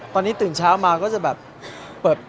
ตอนนี้ตื่นเช้ามาก็จะแบบเปิด